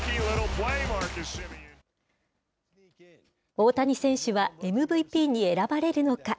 大谷選手はＭＶＰに選ばれるのか。